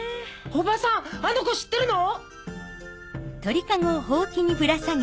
おばさんあの子知ってるの？